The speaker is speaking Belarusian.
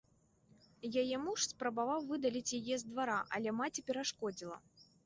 Яе муж спрабаваў выдаліць яе з двара, але маці перашкодзіла.